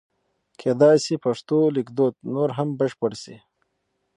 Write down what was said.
کېدای شي پښتو لیکدود نور هم بشپړ شي.